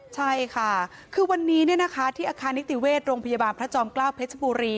ใช่ค่ะคือวันนี้ที่อาคารนิติเวชโรงพยาบาลพระจอมเกล้าเพชรบุรี